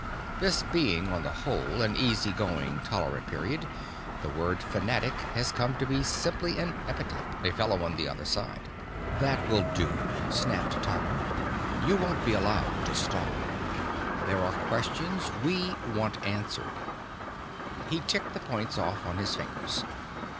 This being, on the whole, an easy going tolerant period, the word 'fanatic' has come to be simply an epithet a fellow on the other side." "That will do," snapped Tyler. "You won't be allowed to stall. There are questions we want answered." He ticked the points off on his fingers.